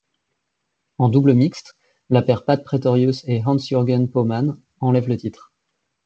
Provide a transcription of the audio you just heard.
En double mixte, la paire Pat Pretorius et Hans-Jürgen Pohmann enlève le titre.